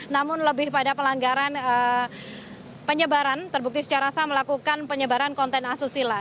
namun lebih pada pelanggaran penyebaran terbukti secara sah melakukan penyebaran konten asusila